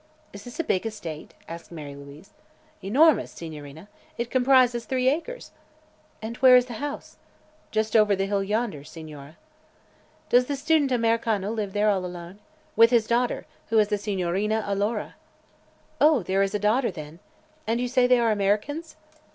"Is this a big estate?" asked Mary Louise. "Enormous, Signorina. It comprises three acres!" "And where is the house?" "Just over the hill, yonder, Signore. "Does the student Americano live here all alone?" "With his daughter, who is the Signorina Alora." "Oh; there is a daughter, then? And you say they are Americans?"